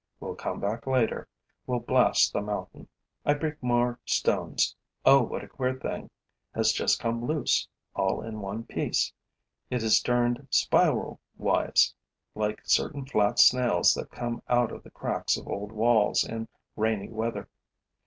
We'll come back later; we'll blast the mountain. I break more stones. Oh, what a queer thing has just come loose, all in one piece! It is turned spiral wise, like certain flat snails that come out of the cracks of old walls in rainy weather.